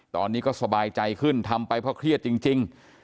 ตอนนี้ก็สบายใจขึ้นทำไปเพราะเครียดจริง